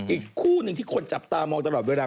อีกคู่หนึ่งที่คนจับตามองตลอดเวลา